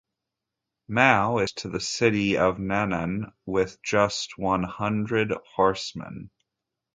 Mao escaped to the city of Nan'an with just one hundred horsemen.